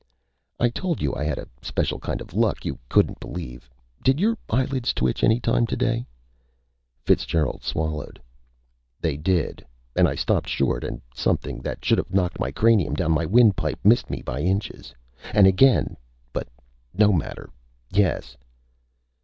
"I told you I had a special kind of luck you couldn't believe. Did your eyelids twitch any time today?" Fitzgerald swallowed. "They did. And I stopped short an' something that should've knocked my cranium down my windpipe missed me by inches. An' again But no matter. Yes."